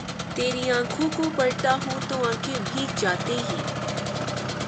تری آنکھوں کو پڑھتا ہوں تو آنکھیں بھیگ جاتی ہی